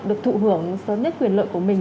được thụ hưởng số nhất quyền lợi của mình